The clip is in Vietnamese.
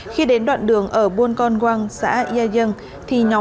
khi đến đoạn đường ở buôn